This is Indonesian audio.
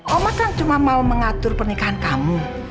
oma kan cuma mau mengatur pernikahan kamu